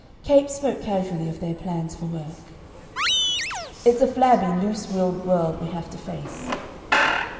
Capes spoke casually of their plans for work. "It's a flabby, loose willed world we have to face.